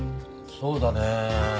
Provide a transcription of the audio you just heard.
そうだねえ。